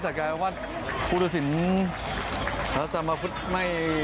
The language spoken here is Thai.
แต่การว่าภูตุศินร์สามภุตไม่